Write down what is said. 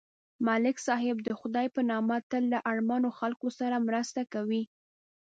ملک صاحب د خدای په نامه تل له اړمنو خلکو سره مرسته کوي.